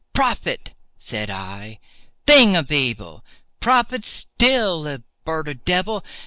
"Prophet!" said I, "thing of evil!—prophet still, if bird or devil!